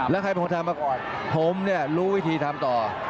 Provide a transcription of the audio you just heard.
แล้วใครเป็นคนทำมาก่อนผมเนี่ยรู้วิธีทำต่อ